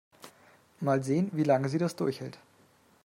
Mal sehen, wie lange sie das durchhält.